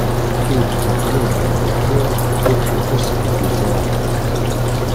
Ur d-ttneqlab ɣer deffir, ur ḥebbes deg uzaɣar.